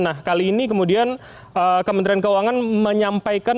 nah kali ini kemudian kementerian keuangan menyampaikan